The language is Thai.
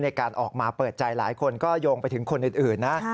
ในการออกมาเปิดใจหลายคนก็โยงไปถึงคนอื่นนะ